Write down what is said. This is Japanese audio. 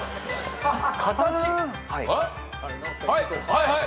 はい！